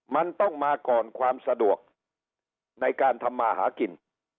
มันต้องมาก่อนความสะดวกในการทำมาหากิน